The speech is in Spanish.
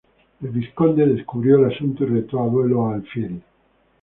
El vizconde descubrió el asunto y retó a duelo a Alfieri.